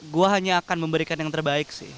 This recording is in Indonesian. gue hanya akan memberikan yang terbaik sih